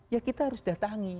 ya kita harus datangi